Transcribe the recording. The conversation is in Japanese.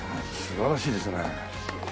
素晴らしいですね。